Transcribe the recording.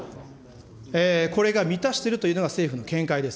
これが満たしているというのが、政府の見解です。